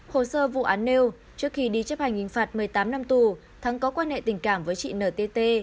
hồ sơ vụ án nêu trước khi đi chấp hành hình phạt một mươi tám năm tù thắng có quan hệ tình cảm với chị ntt